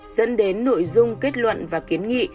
dẫn đến nội dung kết luận và kiến nghị